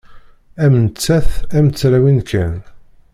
Am nettat am tlawin kan.